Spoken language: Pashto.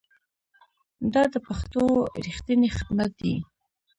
دا د پښتو ریښتینی خدمت دی.